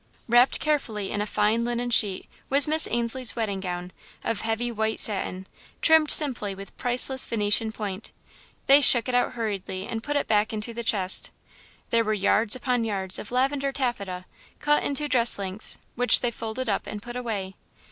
Wrapped carefully in a fine linen sheet, was Miss Ainslie's wedding gown, of heavy white satin, trimmed simply with priceless Venetian point. They shook it out hurriedly and put it back into the chest. There were yards upon yards of lavender taffeta, cut into dress lengths, which they folded up and put away.